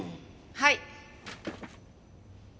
はい。